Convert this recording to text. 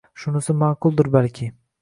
Shunisi ma`quldir, balki